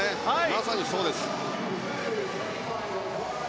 まさにそうです。